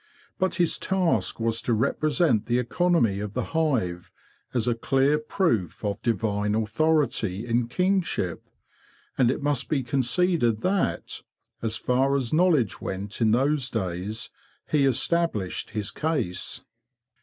But his task was to represent the economy of the hive as a clear proof of divine authority in kingship, and it must be conceded that, as far as knowledge went in those days, he established his case.